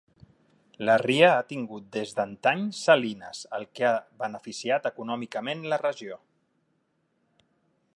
La ria ha tingut des d'antany salines el que ha beneficiat econòmicament la regió.